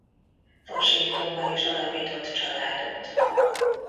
Washingtonban is alapított családot.